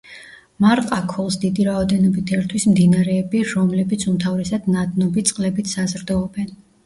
მარყაქოლს დიდი რაოდენობით ერთვის მდინარეები, რომლებიც უმთავრესად ნადნობი წყლებით საზრდოობენ.